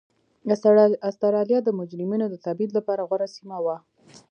اسټرالیا د مجرمینو د تبعید لپاره غوره سیمه وه.